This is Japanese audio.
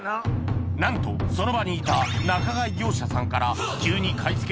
なんとその場にいた仲買業者さんからよっしゃ！